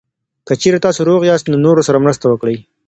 که چېرې تاسو روغ یاست، نو نورو سره مرسته وکړئ.